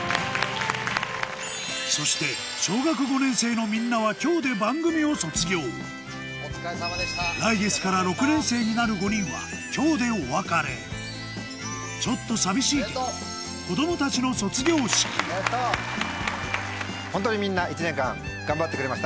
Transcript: そして小学５年生のみんなはなる５人は今日でお別れちょっと寂しいけどホントにみんな１年間頑張ってくれました。